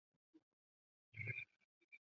享年七十三岁。